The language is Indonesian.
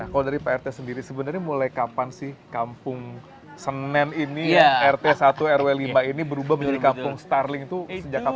kalau dari prt sendiri sebenarnya mulai kapan sih kampung senen ini rt satu rw lima ini berubah menjadi kampung starling itu sejak kapan